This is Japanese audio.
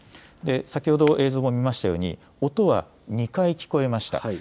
先ほど映像も見ましたように音は２回聞こえました。